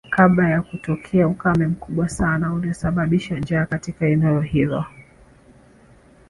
Kabla ya kutokea ukame mkubwa sana uliosababisha njaa katika eneo hilo